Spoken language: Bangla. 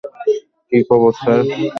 কি খবর স্যার?